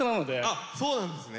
あそうなんですね。